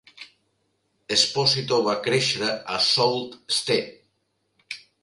Esposito va créixer a Sault Ste.